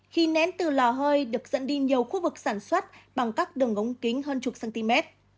khi nén từ lò hơi được dẫn đi nhiều khu vực sản xuất bằng các đường ống kính hơn chục cm